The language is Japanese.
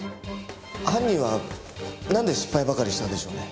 犯人はなんで失敗ばかりしたんでしょうね？